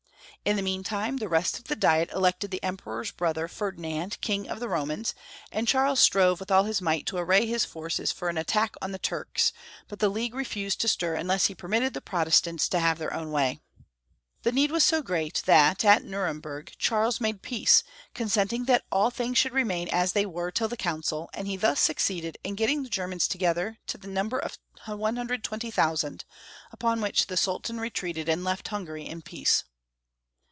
In the meantime the rest of the diet elected the Emperor's brother, Ferdinand, King of the Romans, and Charles strove with all liis might to array his forces for an attack on the Turks, but the league refused to stir unless he permitted the Protestants to have their own way. The need was so great that, at Nuremburg, Charles made peace, consenting that things should remain as they were till the council, and he thus succeeded in getting the Germans together to the number of 120,000, upon which the Sultan retreated and lelt Hungary in peace.